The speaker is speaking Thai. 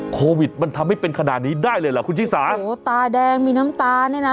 โควิดมันทำให้เป็นขนาดนี้ได้เลยเหรอคุณชิสาโอ้โหตาแดงมีน้ำตาเนี่ยนะ